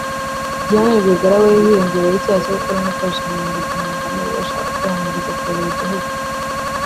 Diane Rwigara we hiyongeraho icyaha cyo gukora no gukoresha inyandiko mpimbano ubwo yashakaga kwiyamamariza kuyobora igihugu